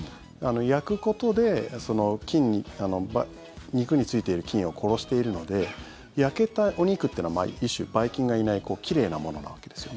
焼くことで肉についている菌を殺しているので焼けたお肉というのは一種、ばい菌がいない奇麗なものなわけですよ。